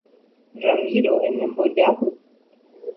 Ramíro eñembojápy